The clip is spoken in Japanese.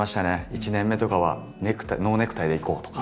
１年目とかはノーネクタイでいこうとか。